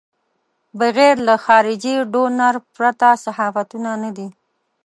بغیر له خارجي ډونر پرته صحافتونه نه دي.